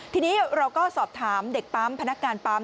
ทีนี้เราก็สอบถามเด็กปั๊มพนักงานปั๊ม